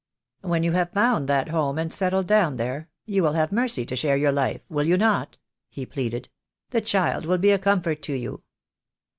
"When you have found that home and settled down there, you will have Mercy to share your life, will you not?" he pleaded. "The child will be a comfort to you."